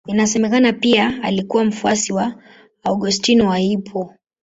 Inasemekana pia alikuwa mfuasi wa Augustino wa Hippo.